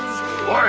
はい！